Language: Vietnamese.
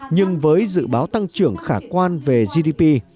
nhưng với dự báo tăng trưởng khả quan về gdp